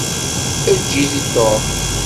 Eǧǧ-it i Tom.